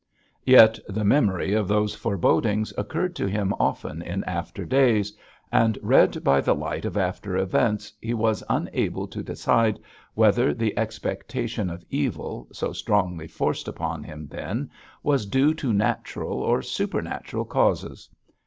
Yet the memory of those forebodings occurred to him often in after days, and read by the light of after events, he was unable to decide whether the expectation of evil, so strongly forced upon him then, was due to natural or supernatural causes.